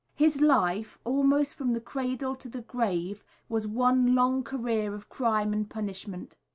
His life, almost from the cradle to the grave, was one long career of crime and punishment.